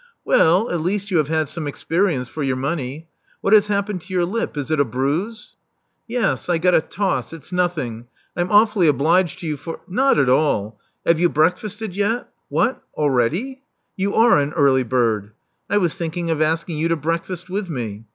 '•Well, at least you have had some, experience for your money. What has happened to your lip? Is it a bruise?" '•Yes, I. got a toss. It's nothing. I'm awfully obliged to you for " ••Not at all. Have you breakfasted yet? What, already! You are an early bird. I was thinking of asking you to breakfast with me.